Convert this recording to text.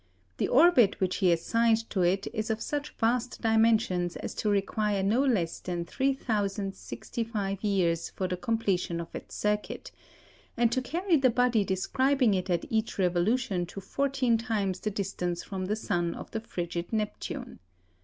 The orbit which he assigned to it is of such vast dimensions as to require no less that 3,065 years for the completion of its circuit; and to carry the body describing it at each revolution to fourteen times the distance from the sun of the frigid Neptune.